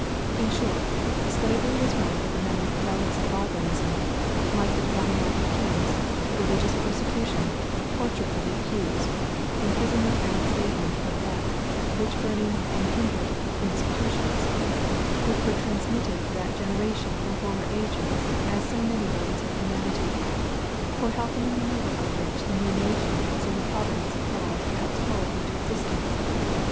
In short, slavery was one of the many "relics of barbarism" like the divine right of kings, religious persecution, torture of the accused, imprisonment and enslavement for debt, witch burning, and kindred "institutions" which were transmitted to that generation from former ages as so many burdens of humanity, for help in the removal of which the new nation was in the providence of God perhaps called into existence.